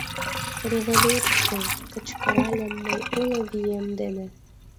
— Революций! — кычкыральым мый уло вием дене.